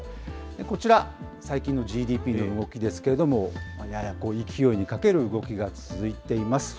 こちら、最近のＧＤＰの動きですけれども、やや勢いに欠ける動きが続いています。